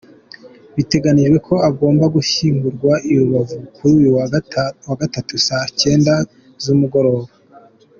Biteganijwe ko agomba gushyingurwa i Rubavu kuri uyu wa Gatatu saa kenda z’umugoroba.